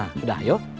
nah sudah yuk